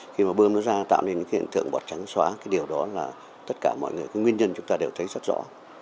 khi mà bơm nó ra tạo nên những cái hiện tượng bọt trắng xóa cái điều đó là tất cả mọi người cái nguyên nhân chúng ta đều thấy rất rõ